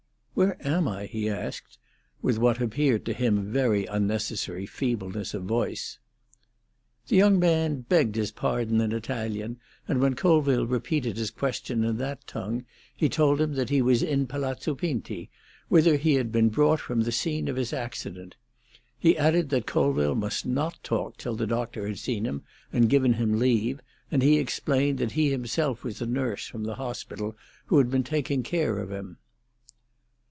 "Where am I?" he asked, with what appeared to him very unnecessary feebleness of voice. The young man begged his pardon in Italian, and when Colville repeated his question in that tongue, he told him that he was in Palazzo Pinti, whither he had been brought from the scene of his accident. He added that Colville must not talk till the doctor had seen him and given him leave, and he explained that he was himself a nurse from the hospital, who had been taking care of him.